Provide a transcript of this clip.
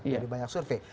jadi banyak survei